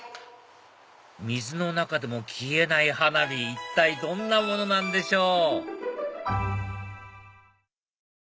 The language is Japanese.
水の中でも消えない花火一体どんなものなんでしょう？